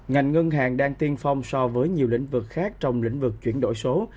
ngành ngân hàng đang tiên phong so với nhiều lĩnh vực khác trong lĩnh vực chuyển đổi số